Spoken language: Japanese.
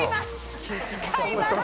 買います！